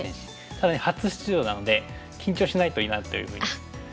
ただね初出場なので緊張しないといいなというふうにね。